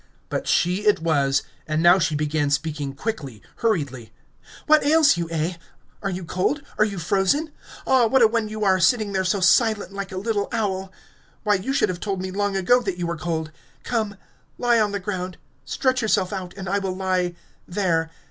But she it was, and now she began speaking quickly, hurriedly. "What ails you, eh? Are you cold? Are you frozen? Ah, what a one you are, sitting there so silent like a little owl! Why, you should have told me long ago that you were cold. Come ... lie on the ground ... stretch yourself out and I will lie ... there!